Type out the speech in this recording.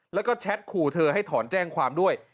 แล้วก็แชทขู่เธอให้ถอนแจ้งความด้วย